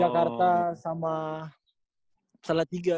jakarta sama salah tiga